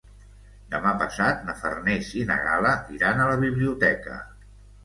Demà passat na Farners i na Gal·la iran a la biblioteca.